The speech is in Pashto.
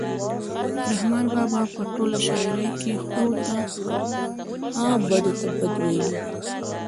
رحمان بابا په ټوله شاعرۍ کې ښو ته ښه بدو ته بد ویلي دي.